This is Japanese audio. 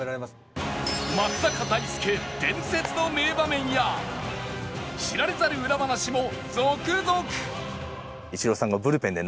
松坂大輔伝説の名場面や知られざる裏話も続々！